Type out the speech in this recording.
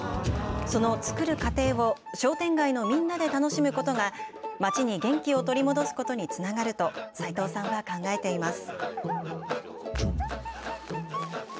その造る過程を商店街のみんなで楽しむことが、町に元気を取り戻すことにつながると、次です。